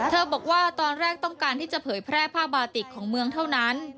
บอกว่าตอนแรกต้องการที่จะเผยแพร่ผ้าบาติกของเมืองเท่านั้น